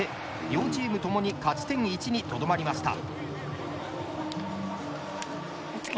両チーム共に勝ち点１にとどまりました。